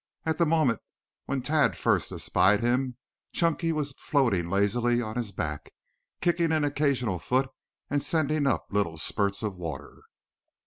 At the moment when Tad first espied him, Chunky lay floating lazily on his back, kicking an occasional foot and sending up little spurts of water.